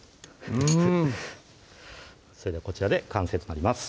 うんそれではこちらで完成となります